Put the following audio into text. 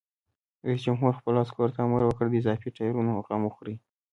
رئیس جمهور خپلو عسکرو ته امر وکړ؛ د اضافي ټایرونو غم وخورئ!